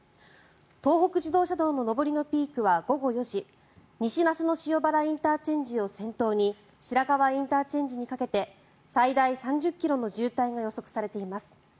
東北自動車の上りのピークは午後４時西那須野塩原ＩＣを先頭に白河ＩＣにかけて最大３０ｋｍの渋滞が予測されています。